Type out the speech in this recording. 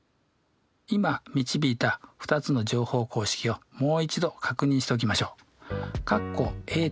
今導いた２つの乗法公式をもう一度確認しておきましょう。